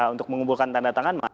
untuk mengumpulkan tanda tangan